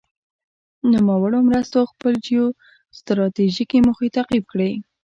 نوموړو مرستو خپل جیو ستراتیجیکې موخې تعقیب کړې.